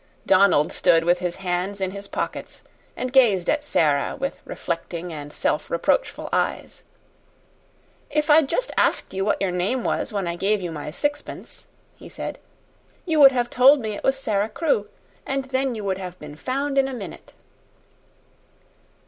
Donald stood with his hands in his pockets, and gazed at Sara with reflecting and self reproachful eyes. "If I'd just asked what your name was when I gave you my sixpence," he said, "you would have told me it was Sara Crewe, and then you would have been found in a minute."